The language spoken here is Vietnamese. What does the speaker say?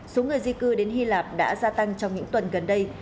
số người di cư đến hy lạp đã gia tăng trong những tuần gần đây